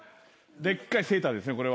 でっかいセーターですねこれは。